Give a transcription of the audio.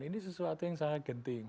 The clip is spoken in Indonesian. ini sesuatu yang sangat genting